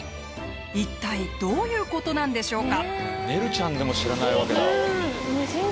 一体どういうことなんでしょうか？